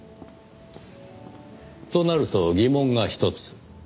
となると疑問がひとつ。